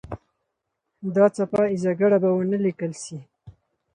دا څپه ایزه ګړه به ونه لیکل سي.